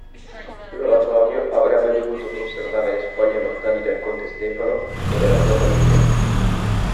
L'oratorio avrebbe dovuto conservare le spoglie mortali del conte Stefano e della sua famiglia.